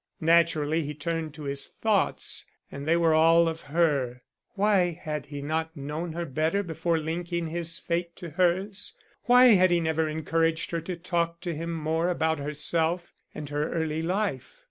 Naturally he turned to his thoughts and they were all of her. Why had he not known her better before linking his fate to hers? Why had he never encouraged her to talk to him more about herself and her early life?